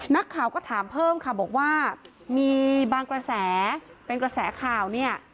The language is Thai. นักข่าวก็ถามเพิ่มค่ะบอกว่ามีบางกระแสเป็นกระแสข่าวเนี่ย